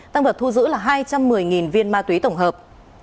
tăng vật thu giữ là hai trăm một mươi viên ma túy tổng hợp